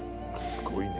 すごいね。